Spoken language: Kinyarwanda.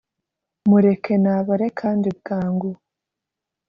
Mureke nabare kandi bwangu